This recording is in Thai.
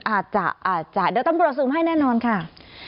อาจจะอาจจะเดี๋ยวตำรวจซึมให้แน่นอนค่ะ